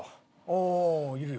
ああいるよ。